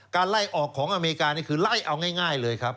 ไล่ออกของอเมริกานี่คือไล่เอาง่ายเลยครับ